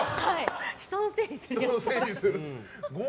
人のせいにする。